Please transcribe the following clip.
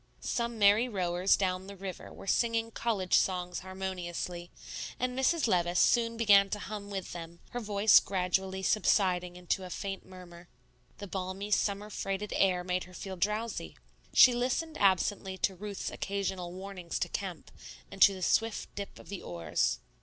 Some merry rowers down the river were singing college songs harmoniously; and Mrs. Levice soon began to hum with them, her voice gradually subsiding into a faint murmur. The balmy, summer freighted air made her feel drowsy. She listened absently to Ruth's occasional warnings to Kemp, and to the swift dip of the oars.